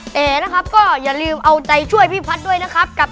แต่นะครับก็อย่าลืมเอาใจช่วยพี่พัฒน์ด้วยนะครับ